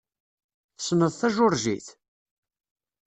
Tessneḍ tajuṛjit?